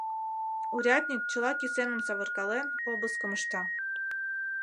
Урядник, чыла кӱсеным савыркален, обыскым ышта.